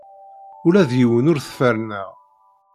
Ula d yiwen ur t-ferrneɣ.